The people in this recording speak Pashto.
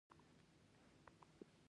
څنګه یاست؟